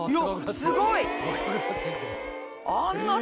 すごい。